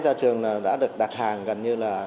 các trường đã được đặt hàng gần như là